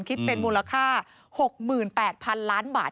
คิดเป็นมูลค่า๖๘๐๐๐ล้านบาท